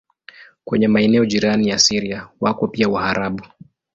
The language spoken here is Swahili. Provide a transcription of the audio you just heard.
Kwenye maeneo jirani na Syria wako pia Waarabu.